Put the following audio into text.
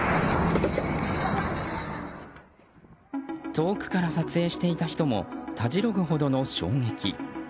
遠くから撮影していた人もたじろぐほどの衝撃。